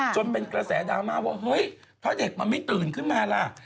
จนเป็นกระแสดราม่าว่าเฮ้ยเธอไม่ตื่นขึ้นมาแล้ว